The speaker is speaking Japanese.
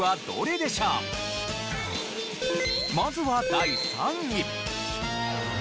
まずは第３位。